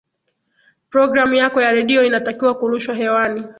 programu yako ya redio inatakiwa kurushwa hewani